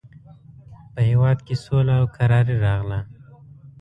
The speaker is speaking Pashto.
په هېواد کې سوله او کراري راغله.